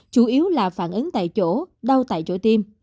chủ yếu là phản ứng tại chỗ đau tại chỗ tiêm